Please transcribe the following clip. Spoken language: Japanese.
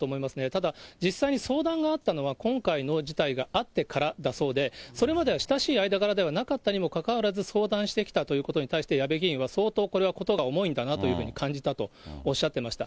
ただ、実際に相談があったのは、今回の事態があってからだそうで、それまでは親しい間柄ではなかったにもかかわらず、相談してきたということに対して、矢部議員は相当これは事が重いんだなというふうに感じたとおっしゃっていました。